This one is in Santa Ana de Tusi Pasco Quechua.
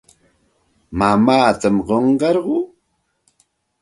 Mamaatam qunqarquu.